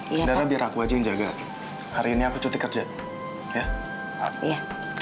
iya nondara biar aku aja yang jaga hari ini aku cuti kerja ya iya